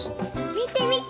みてみて！